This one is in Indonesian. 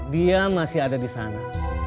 dia masih ada disana